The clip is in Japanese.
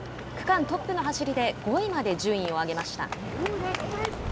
区間トップの走りで５位まで順位を上げました。